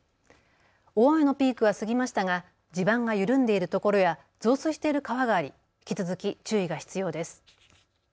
大雨のピークは過ぎましたが地盤が緩んでいるところや増水している川があり引き続き注意が必要です。